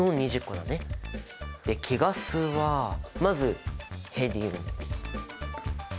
貴ガスはまずヘリウム。